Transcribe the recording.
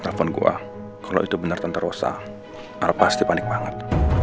telepon gua kalau itu bener tenterosa pasti panik banget